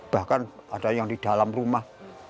bahkan ada yang di dalam rumah